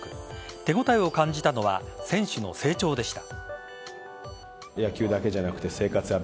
手応えを感じたのは選手の成長でした。